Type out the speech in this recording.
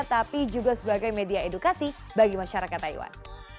tapi juga sebagai media edukasi bagi masyarakat taiwan